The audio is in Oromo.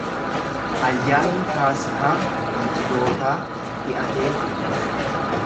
Ayyaanni Faasikaa Yihudootaa dhi’atee ture.